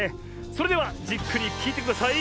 それではじっくりきいてください。